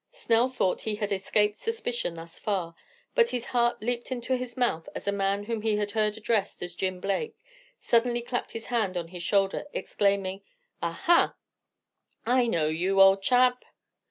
Snell thought he had escaped suspicion thus far, but his heart leaped into his mouth as a man whom he had heard addressed as Jim Blake, suddenly clapped his hand on his shoulder, exclaiming, "Ah, ha, I know you, old chap!"